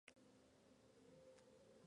La rebelión se extendió rápidamente.